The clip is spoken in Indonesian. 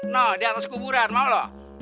nah di atas kuburan mau lo